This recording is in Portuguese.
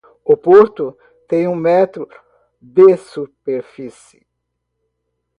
O Porto tem um metro de superfície.